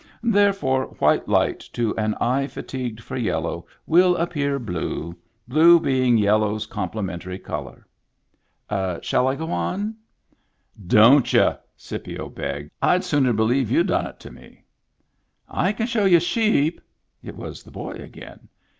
Therefore, white light to an eye fatigued for yellow will appear blue — blue being yellow's complementary color. Shall I go on?" Digitized by VjOOQIC TIMBERLINE 133 "Don't y'u!*' Scipio begged. "Td sooner believe y'u done it to me." " I can show you sheep." It was the boy again.